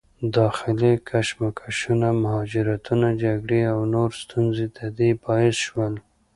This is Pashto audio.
داخلي کشمکشونه، مهاجرتونه، جګړې او نورې ستونزې د دې باعث شول